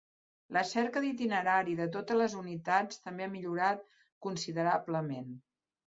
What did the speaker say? La cerca d'itinerari de totes les unitats també ha millorat considerablement.